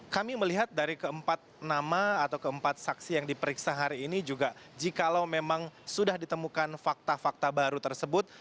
kami melihat dari keempat nama atau keempat saksi yang diperiksa hari ini juga jikalau memang sudah ditemukan fakta fakta baru tersebut